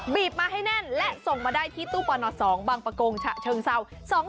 บีบมาให้แน่นและส่งมาได้ที่ตู้ปอนด์ออดสองบางประกงชะเชิงเศร้า๒๔๑๓๐